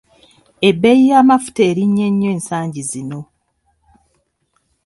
Ebbeeyi y'amafuta erinnye nnyo ensangi zino.